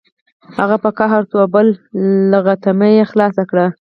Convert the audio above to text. هغه په قهر شو او بله لغتنامه یې خلاصه کړه